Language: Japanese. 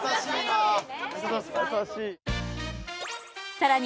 さらに